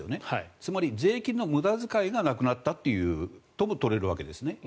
つまり、税金の無駄遣いがなくなったとも取れるわけです。